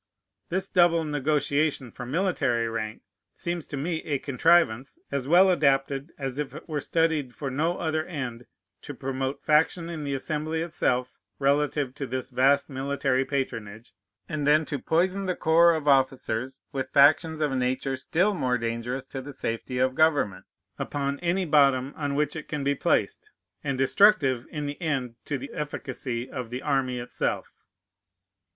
This double negotiation for military rank seems to me a contrivance, as well adapted as if it were studied for no other end, to promote faction in the Assembly itself relative to this vast military patronage, and then to poison the corps of officers with factions of a nature still more dangerous to the safety of government, upon any bottom on which it can be placed, and destructive in the end to the efficacy of the army itself.